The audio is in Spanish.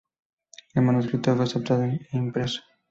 El manuscrito fue aceptado e impreso.